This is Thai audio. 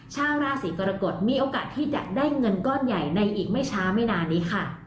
ชาวราศีกรกฎมีโอกาสที่จะได้เงินก้อนใหญ่ในอีกไม่ช้าไม่นานนี้ค่ะ